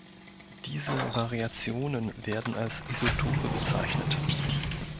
Diese Variationen werden als Isotope bezeichnet.